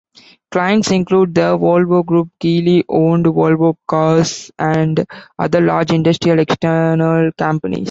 Clients include the Volvo Group, Geely-owned Volvo Cars, and other large industrial external companies.